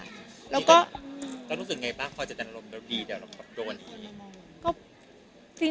เราก็รู้สึกยังไงป่ะพอจะจันรมดีเดี๋ยวเราก็โดน